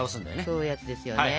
そういうヤツですよね。